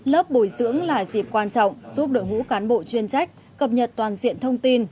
lớp bồi dưỡng là dịp quan trọng giúp đội ngũ cán bộ chuyên trách cập nhật toàn diện thông tin